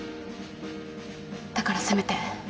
だからせめて。